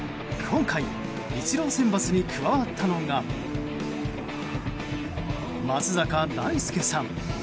今回、イチロー選抜に加わったのが、松坂大輔さん。